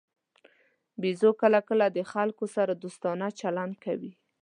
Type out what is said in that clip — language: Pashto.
بیزو کله کله د خلکو سره دوستانه چلند کوي.